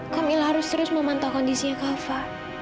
kami harus terus memantau kondisinya kava